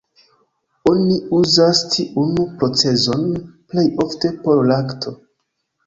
Oni uzas tiun procezon plej ofte por lakto.